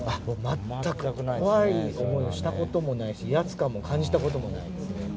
全く、怖い思いをしたこともないし、威圧感も感じたこともないですね。